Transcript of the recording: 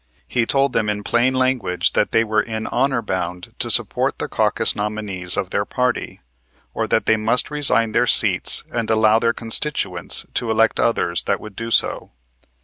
He told them in plain language that they were in honor bound to support the caucus nominees of their party, or that they must resign their seats and allow their constituents to elect others that would do so.